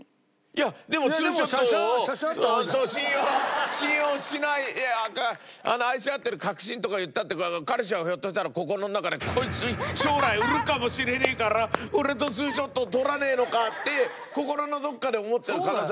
いやでも２ショットを信用しない愛し合っている確信とか言ったって彼氏はひょっとしたら心の中で「コイツ将来売るかもしれねえから俺と２ショット撮らねえのか」って心のどこかで思ってる可能性もあるじゃないですか。